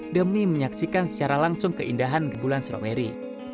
demi menyaksikan secara langsung keindahan bulan strawberry